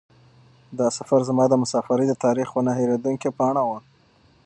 دا سفر زما د مسافرۍ د تاریخ یوه نه هېرېدونکې پاڼه وه.